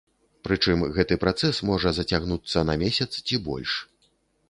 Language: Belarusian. Прычым гэты працэс можа зацягнуцца на месяц ці больш.